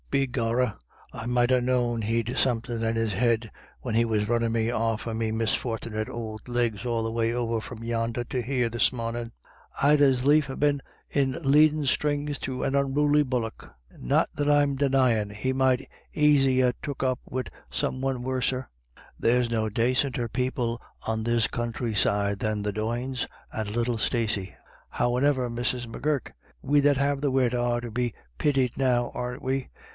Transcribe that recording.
Begor rah, I might ha* known he'd somethin' in his head when he was runnin' me off of me misfortnit ould legs all the way over from yonder to here this mornin'. I'd as lief ha' been in leadin' strings to an unruly bullock. Not that I'm denyin' he might aisy ha' took up wid some one worsen There's no dacinter people on this counthry side than the Doynes, and little Stacey — How«an e'er Mrs. M'Gurk, we that have the wit are to be pitied now, aren't we